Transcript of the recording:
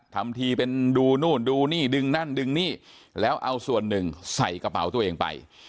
ทำทีเป็นดูนู่นดูนี่ดึงนั่นดึงนี่แล้วเอาส่วนหนึ่งใส่กระเป๋าตัวเองไป